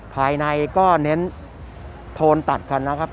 ภายในก็เน้นโทนตัดกันนะครับ